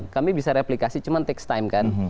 kami bisa replikasi cuma tax time kan